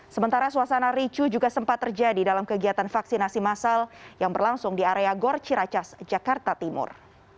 sementara suasana ricu juga sempat terjadi dalam kegiatan vaksinasi masal yang berlangsung di area gor ciracas jakarta timur